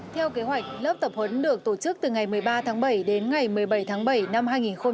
theo kế hoạch lớp tập huấn được tổ chức từ ngày một mươi ba tháng bảy đến ngày một mươi bảy tháng bảy năm hai nghìn hai mươi